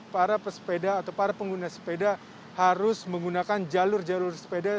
para pesepeda atau para pengguna sepeda harus menggunakan jalur jalur sepeda